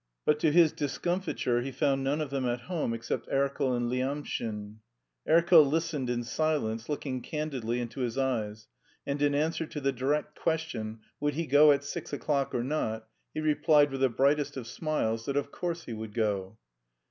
But to his discomfiture he found none of them at home except Erkel and Lyamshin. Erkel listened in silence, looking candidly into his eyes, and in answer to the direct question "Would he go at six o'clock or not?" he replied with the brightest of smiles that "of course he would go."